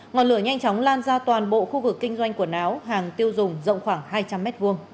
ngọn lửa nhanh chóng lan ra toàn bộ khu vực kinh doanh quần áo hàng tiêu dùng rộng khoảng hai trăm linh m hai